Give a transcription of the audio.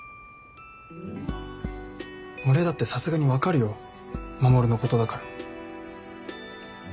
俺だってさすがに分かるよ守のことだから。